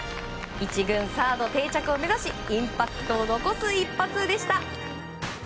１軍サード定着を目指しインパクトを残す一発でした。